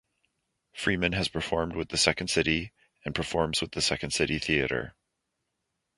Freeman has performed with The Second City and performs with the Second City Theater.